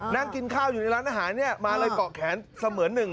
นั่งกินข้าวอยู่ในร้านอาหารเนี่ยมาเลยเกาะแขนเสมือนหนึ่ง